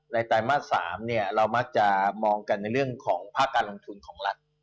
ไตรมาส๓เนี่ยเรามักจะมองกันในเรื่องของภาคการลงทุนของรัฐ